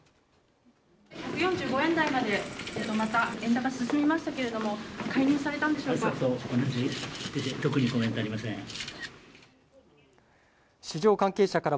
１４５円台までまた円高進みましたけれども、介入されたんでしょうか。